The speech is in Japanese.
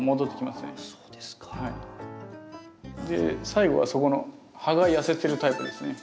最後はそこの葉が痩せてるタイプですね。